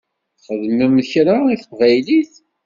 Txedmem kra i teqbaylit?